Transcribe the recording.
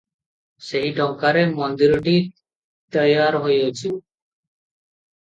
ସେହି ଟଙ୍କାରେ ମନ୍ଦିରଟି ତୟାର ହୋଇଅଛି ।